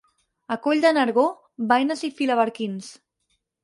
A Coll de Nargó, baines i filaberquins.